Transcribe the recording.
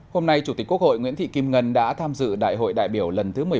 hôm nay chủ tịch quốc hội nguyễn thị kim ngân đã tham dự đại hội đại biểu lần thứ một mươi bảy